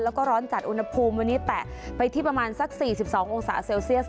แล้วก็ร้อนจัดอุณหภูมิวันนี้แตะไปที่ประมาณสัก๔๒องศาเซลเซียส